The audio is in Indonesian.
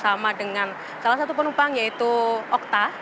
saya bersama dengan salah satu penumpang yaitu okta